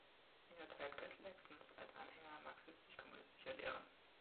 Längere Zeit galt Laxness als Anhänger marxistisch-kommunistischer Lehren.